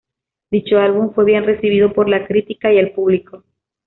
Dicho álbum fue bien recibido por la crítica y el público.